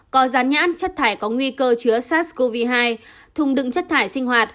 có rán nhãn chất thải có nguy cơ chứa sars cov hai thùng đựng chất thải sinh hoạt